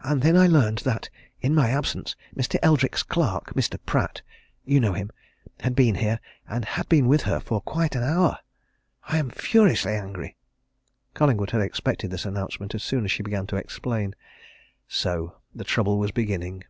And then I learned that, in my absence, Mr. Eldrick's clerk, Mr. Pratt you know him had been here, and had been with her for quite an hour. I am furiously angry!" Collingwood had expected this announcement as soon as she began to explain. So the trouble was beginning!